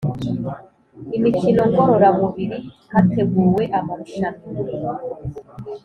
Imikino ngororamubiri hateguwe amarushanwa